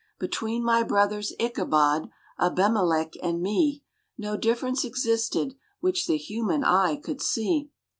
Between my brothers Ichabod, Abimelech and me No difference existed which the human eye could see.